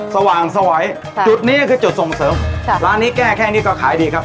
สว่างสวัยค่ะจุดนี้ก็คือจุดส่งเสริมค่ะร้านนี้แก้แค่นี้ก็ขายดีครับ